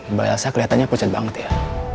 mbak elsa kelihatannya kucet banget ya